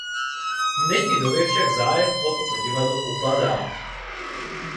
V dnešní době však zájem o toto divadlo upadá.